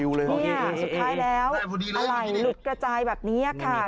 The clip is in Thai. สุดท้ายแล้วอะไรหลุดกระจายแบบนี้ค่ะ